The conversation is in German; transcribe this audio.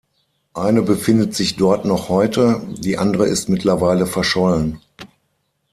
Eine befindet sich dort noch heute, die andere ist mittlerweile verschollen.